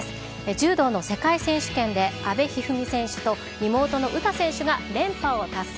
柔道の世界選手権で、阿部一二三選手と、妹の詩選手が、連覇を達成。